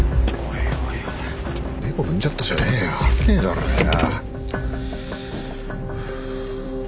猫踏んじゃったじゃねえよ危ねえだろうよ。